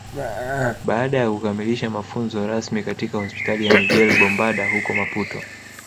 Baada ya kukamilisha mafunzo rasmi katika Hospitali ya Miguel Bombarda huko Maputo